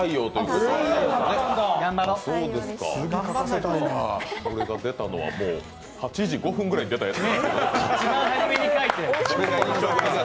これが出たのは８時５分ぐらいに出たやつ。